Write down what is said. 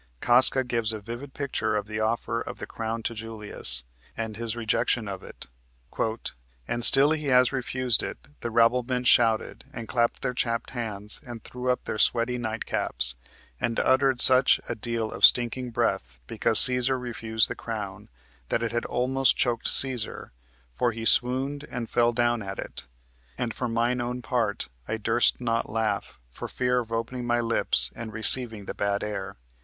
Casca gives a vivid picture of the offer of the crown to Julius, and his rejection of it: "And still as he refused it the rabblement shouted, and clapped their chapped hands, and threw up their sweaty night caps, and uttered such a deal of stinking breath, because Cæsar refused the crown, that it had almost choked Cæsar, for he swooned and fell down at it. And for mine own part I durst not laugh, for fear of opening my lips and receiving the bad air."